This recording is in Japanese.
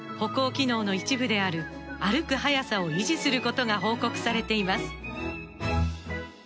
歩行機能の一部である歩く速さを維持することが報告されています